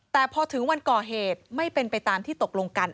แต่พอถึงวันก่อเหตุไม่เป็นไปตามที่ตกลงกัน